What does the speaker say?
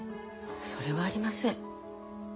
それはありません。